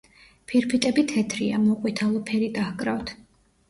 ფირფიტები თეთრია, მოყვითალო ფერი დაჰკრავთ.